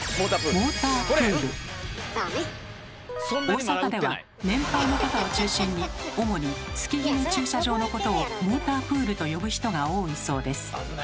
大阪では年配の方を中心に主に月極駐車場のことをモータープールと呼ぶ人が多いそうです。